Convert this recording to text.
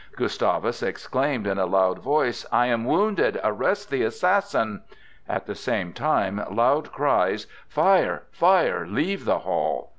Gustavus exclaimed in a loud voice: "I am wounded! Arrest the assassin!" At the same time loud cries: "Fire! Fire! Leave the hall!"